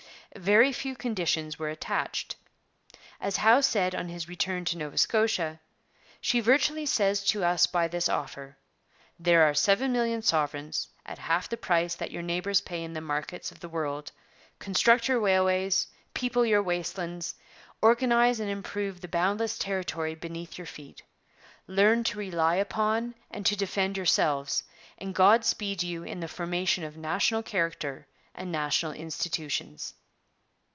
Very few conditions were attached. As Howe said on his return to Nova Scotia: 'She virtually says to us by this offer, There are seven millions of sovereigns, at half the price that your neighbours pay in the markets of the world; construct your railways; people your waste lands; organize and improve the boundless territory beneath your feet; learn to rely upon and to defend yourselves, and God speed you in the formation of national character and national institutions.'